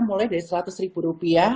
mulai dari rp seratus